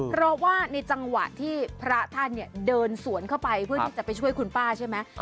เพราะว่าในจังหวะที่พระท่านเนี่ยเดินสวนเข้าไปเพื่อที่จะไปช่วยคุณป้าใช่ไหม